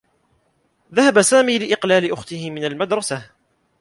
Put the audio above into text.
ذهب سامي لإقلال أخته من المدرسة.